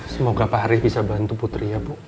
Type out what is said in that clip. semoga pak harif bisa bantu putri ya bu